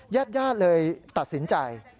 ญาติย่าเลยตัดสินใจ